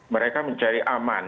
mereka mencari aman